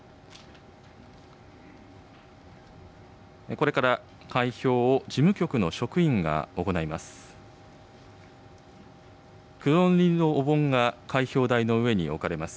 これから開票を事務局の職員が行います。